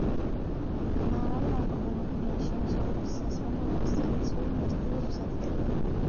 მაღალი ალკოჰოლური შემცველობის სასმელი, რომელიც ტრადიციული მეთოდებით მზადდება.